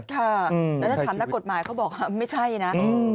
ค่ะแล้วถ้าถามนักกฎหมายเขาบอกว่าไม่ใช่นะ